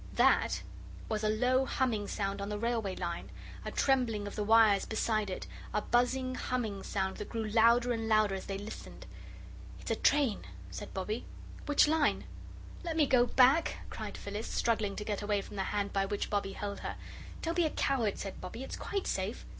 "That" was a low, humming sound on the railway line, a trembling of the wires beside it, a buzzing, humming sound that grew louder and louder as they listened. "It's a train," said Bobbie. "Which line?" "Let me go back," cried Phyllis, struggling to get away from the hand by which Bobbie held her. "Don't be a coward," said Bobbie; "it's quite safe.